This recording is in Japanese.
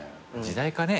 時代かね